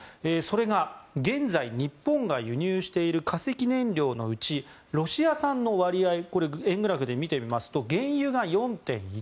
それが現在、日本が輸入している化石燃料のうちロシア産の割合円グラフで見てみますと原油が４．１％